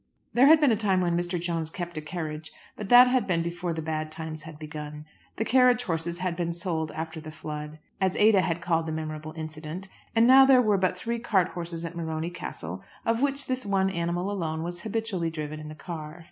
There had been a time when Mr. Jones kept a carriage, but that had been before the bad times had begun. The carriage horses had been sold after the flood, as Ada had called the memorable incident; and now there were but three cart horses at Morony Castle, of which this one animal alone was habitually driven in the car.